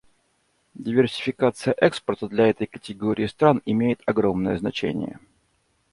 Диверсификация экспорта для этой категории стран имеет огромное значение.